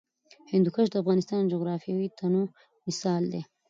هندوکش د افغانستان د جغرافیوي تنوع مثال دی.